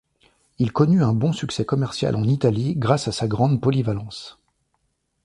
Il connut un bon succès commercial en Italie grâce à sa grande polyvalence.